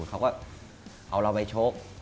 เขาก็เอาเราไปชก